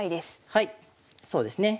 はいそうですね。